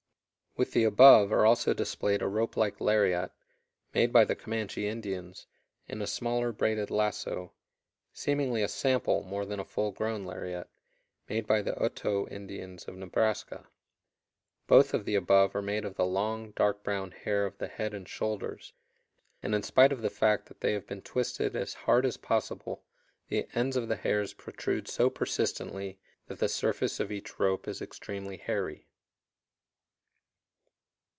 With the above are also displayed a rope like lariat, made by the Comanche Indians, and a smaller braided lasso, seemingly a sample more than a full grown lariat, made by the Otoe Indians of Nebraska. Both of the above are made of the long, dark brown hair of the head and shoulders, and in spite of the fact that they have been twisted as hard as possible, the ends of the hairs protrude so persistently that the surface of each rope is extremely hairy.